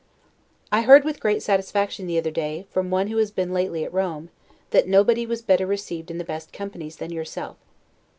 I heard with great satisfaction the other day, from one who has been lately at Rome, that nobody was better received in the best companies than yourself.